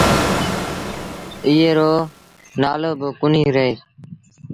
ايئي رو نآلو با ڪونهي رهي۔